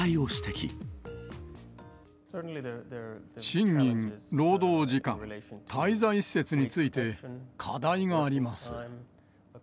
賃金、労働時間、滞在施設について課題があります。